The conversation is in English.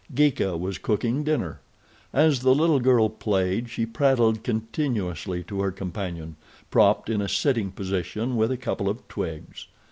Geeka was cooking dinner. As the little girl played she prattled continuously to her companion, propped in a sitting position with a couple of twigs.